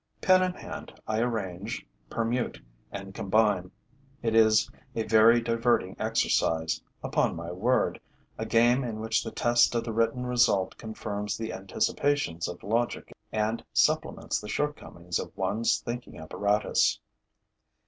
Pen in hand, I arrange, permute and combine. It is a very diverting exercise, upon my word, a game in which the test of the written result confirms the anticipations of logic and supplements the shortcomings of one's thinking apparatus.